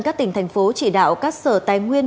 các tỉnh thành phố chỉ đạo các sở tài nguyên